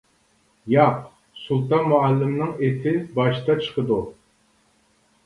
-ياق، سۇلتان مۇئەللىمنىڭ ئېتى باشتا چىقىدۇ.